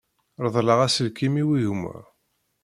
Reḍleɣ aselkim-iw i gma.